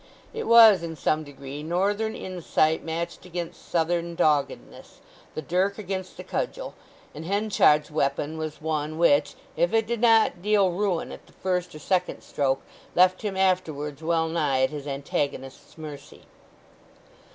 It was, in some degree, Northern insight matched against Southern doggedness—the dirk against the cudgel—and Henchard's weapon was one which, if it did not deal ruin at the first or second stroke, left him afterwards well nigh at his antagonist's mercy.